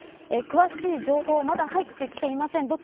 詳しい情報はまだ入ってきていません。